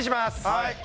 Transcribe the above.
はい。